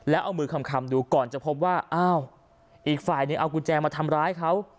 แล้วเอามือคำดูก่อนจะพบว่าอ้าวอีกฝ่ายหนึ่งเอากุญแจมาทำร้ายเขา